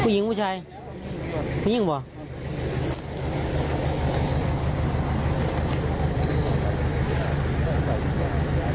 ผู้หญิงปว่าใช่ผู้หญิงอ่ะ